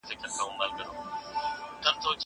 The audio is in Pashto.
مځکه د بزګر له خوا کرل کيږي!